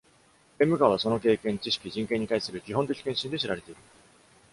弁務官は、その経験、知識、人権に対する基本的献身で知られている。